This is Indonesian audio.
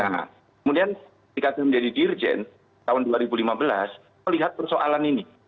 nah kemudian dikasih menjadi dirjen tahun dua ribu lima belas lihat persoalan ini